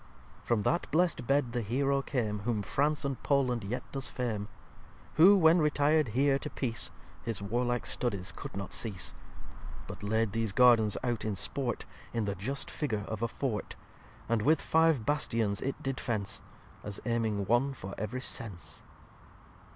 xxxvi From that blest Bed the Heroe came, Whom France and Poland yet does fame: Who, when retired here to Peace, His warlike Studies could not cease; But laid these Gardens out in sport In the just Figure of a Fort; And with five Bastions it did fence, As aiming one for ev'ry Sense.